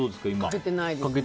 掛けてないです。